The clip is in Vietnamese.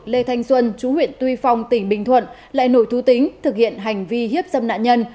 lê thanh xuân chú huyện tuy phong tỉnh bình thuận lại nổi thú tính thực hiện hành vi hiếp dâm nạn nhân